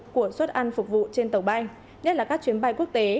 của suất ăn phục vụ trên tàu bay nhất là các chuyến bay quốc tế